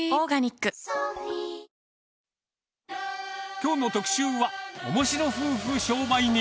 きょうの特集は、おもしろ夫婦商売人。